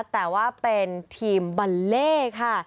แต่ว่าเป็นทีมบัลเล่ค่ะ